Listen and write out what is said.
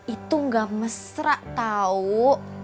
itu gak mesra tau